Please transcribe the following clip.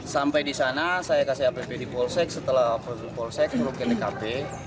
sampai di sana saya kasih app di polsek setelah polsek turun ke tkp